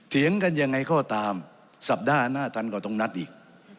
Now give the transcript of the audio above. เถียงกันยังไงก็ตามสัปดาห์หน้าท่านก็ต้องนัดอีก